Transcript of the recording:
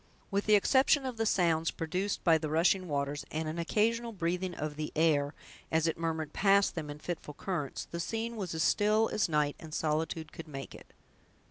With the exception of the sounds produced by the rushing waters, and an occasional breathing of the air, as it murmured past them in fitful currents, the scene was as still as night and solitude could make it.